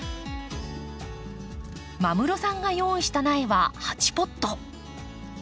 間室さんが用意した苗は８ポット。